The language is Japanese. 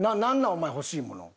お前欲しいもの。